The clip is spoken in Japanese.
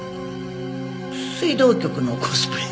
水道局のコスプレ。